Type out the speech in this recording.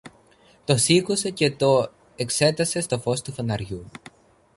Το σήκωσε και το εξέτασε στο φως του φαναριού.